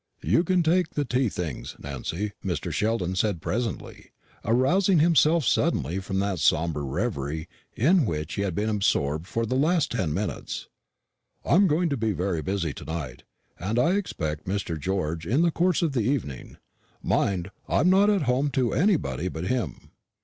"You can take the tea things, Nancy," Mr. Sheldon said presently, arousing himself suddenly from that sombre reverie in which he had been absorbed for the last ten minutes; "I am going to be very busy to night, and I expect Mr. George in the course of the evening. Mind, I am not at home to anybody but him."